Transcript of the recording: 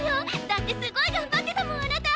だってすごい頑張ってたもんあなた！